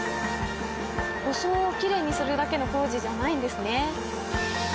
装をきれいにするだけの工事じゃないんですね。